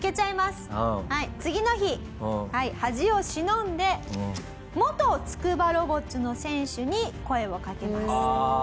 次の日恥を忍んで元つくばロボッツの選手に声をかけます。